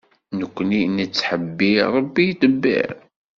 Nekni nettḥebbiṛ, Ṛebbi ittḍebbir.